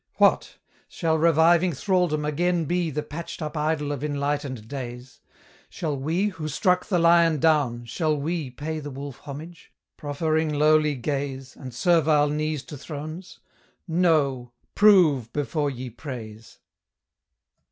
What! shall reviving thraldom again be The patched up idol of enlightened days? Shall we, who struck the Lion down, shall we Pay the Wolf homage? proffering lowly gaze And servile knees to thrones? No; PROVE before ye praise!